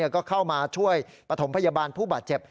ก็เข้ามาช่วยปฐมพยาบาลผู้บาดเจ็บ